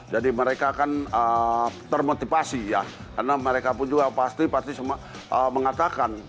jadi mereka kan termotivasi ya karena mereka pun juga pasti pasti mengatakan